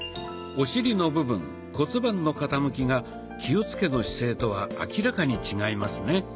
お尻の部分骨盤の傾きが気をつけの姿勢とは明らかに違いますね。